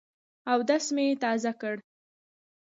اودس مي تازه کړ .